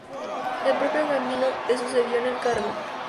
El propio Gambino le sucedió en el cargo.